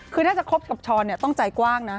คือถ้าจะคบกับช้อนต้องใจกว้างนะ